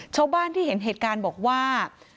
ชาวบ้านที่เห็นเหตุการณ์บอกว่า